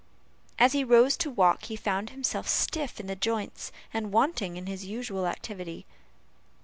As he rose to walk, he found himself stiff in the joints, and wanting in his usual activity.